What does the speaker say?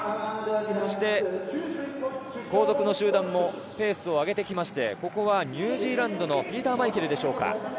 そして後続の集団もペースを上げてきまして、ここはニュージーランドのピーター・マイケルでしょうか？